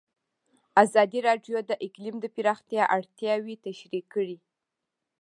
ازادي راډیو د اقلیم د پراختیا اړتیاوې تشریح کړي.